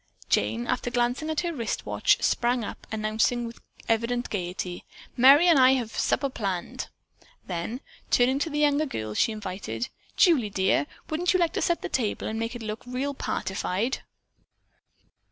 Jane, after glancing at her wrist watch, sprang up, announcing with evident gaiety: "Merry and I have a supper planned." Then, turning to the younger girl, she invited: "Julie, dear, wouldn't you like to set the table and make it look real partified?"